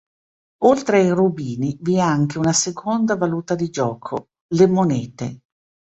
Oltre ai rubini vi è anche una seconda valuta di gioco, le monete.